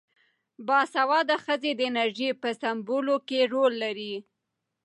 باسواده ښځې د انرژۍ په سپمولو کې رول لري.